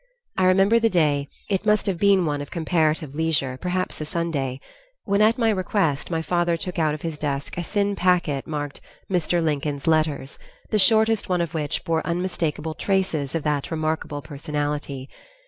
I remember the day it must have been one of comparative leisure, perhaps a Sunday when at my request my father took out of his desk a thin packet marked "Mr. Lincoln's Letters," the shortest one of which bore unmistakable traces of that remarkable personality.